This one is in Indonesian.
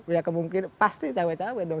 ya kemungkinan pasti cawe cawe dong